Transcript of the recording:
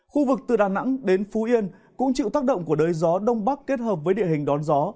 khu vực từ đà nẵng đến phú yên cũng chịu tác động của đới gió đông bắc kết hợp với địa hình đón gió